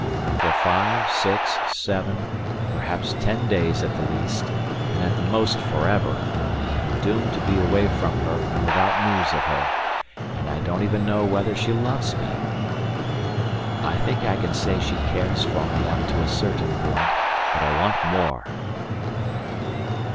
For five, six, seven, perhaps ten days at the least, and at the most for ever, I am doomed to be away from her and without news of her. And I don't even know whether she loves me! I think I can say she cares for me up to a certain point, but I want more.